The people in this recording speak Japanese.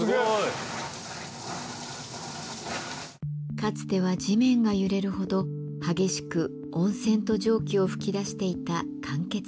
かつては地面が揺れるほど激しく温泉と蒸気を噴き出していた間欠泉。